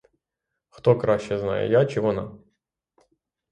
Хто краще знає: я чи вона?